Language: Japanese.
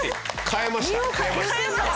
買えました。